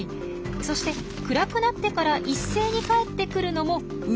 そして暗くなってから一斉に帰ってくるのもウミネコ対策。